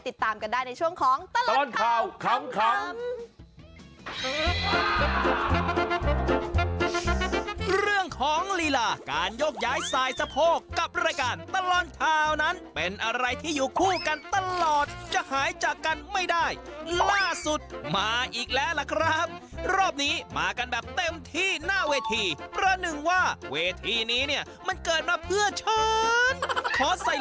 ติดตามกันได้ในช่วงของตลอดข่าวขำ